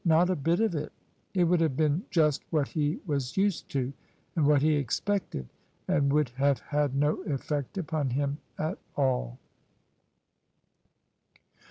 Not a bit of it It would have been just what he was used to and what he expected, and would have had no effect upon him at all."